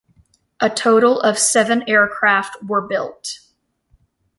A total of seven aircraft were built.